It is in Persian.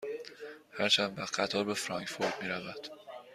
هر چند وقت قطار به فرانکفورت می رود؟